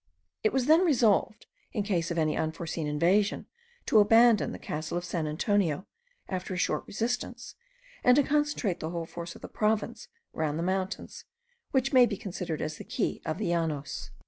It was then resolved, in case of any unforeseen invasion, to abandon the castle of San Antonio, after a short resistance, and to concentrate the whole force of the province round the mountains, which may be considered as the key of the Llanos.